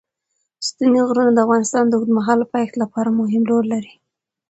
ستوني غرونه د افغانستان د اوږدمهاله پایښت لپاره مهم رول لري.